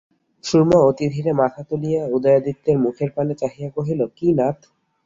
সুরমা অতি ধীরে মাথা তুলিয়া উদয়াদিত্যের মুখের পানে চাহিয়া কহিল, কী নাথ।